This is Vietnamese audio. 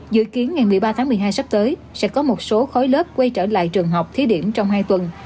dự kiến ngày một mươi ba tháng một mươi hai sắp tới sẽ có một số khối lớp quay trở lại trường học thí điểm trong hai tuần